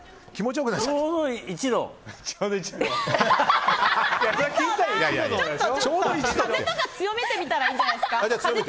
ちょっと風とか強めてみたらいいんじゃないですか？